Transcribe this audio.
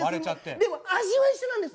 でも味は一緒なんです。